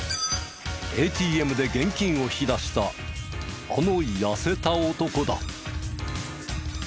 ＡＴＭで現金を引き出したこの痩せた男だ。